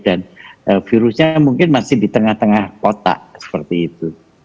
dan virusnya mungkin masih di tengah tengah kota seperti itu